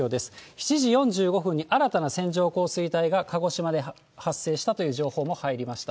７時４５分に新たな線状降水帯が、鹿児島で発生したという情報も入りました。